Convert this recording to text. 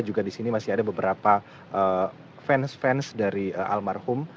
juga di sini masih ada beberapa fans fans dari almarhum